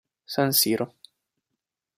San Siro